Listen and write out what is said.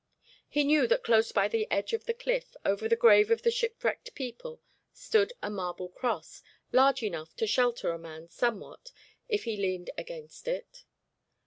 He knew that close by the edge of the cliff, over the grave of the shipwrecked people, stood a marble cross, large enough to shelter a man somewhat if he leaned against it.